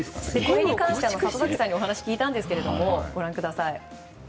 これに関しては里崎さんにお話聞いたんですがご覧ください。